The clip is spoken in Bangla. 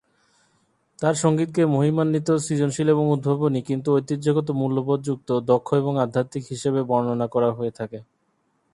তাঁর সংগীতকে 'মহিমান্বিত', 'সৃজনশীল এবং উদ্ভাবনী কিন্তু ঐতিহ্যগত মূল্যবোধ যুক্ত', 'দক্ষ এবং আধ্যাত্মিক' হিসাবে বর্ণনা করা হয়ে থাকে।